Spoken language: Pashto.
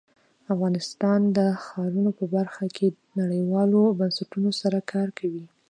افغانستان د ښارونه په برخه کې نړیوالو بنسټونو سره کار کوي.